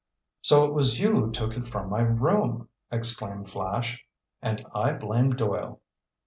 "So it was you who took it from my room!" exclaimed Flash. "And I blamed Doyle."